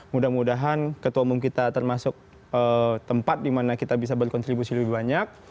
mudah mudahan ketua umum kita termasuk tempat dimana kita bisa berkontribusi lebih banyak